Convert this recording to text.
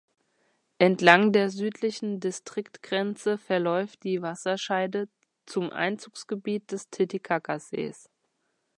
Entlang der südlichen Distriktgrenze verläuft die Wasserscheide zum Einzugsgebiet des Titicacasees.